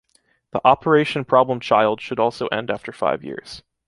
The "Operation Problem Child" should also end after five years.